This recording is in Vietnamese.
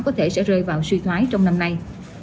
có thể sẽ rơi vào suy thoái trong năm nay